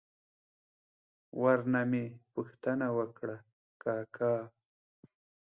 ور نه مې پوښتنه وکړه: کاکا!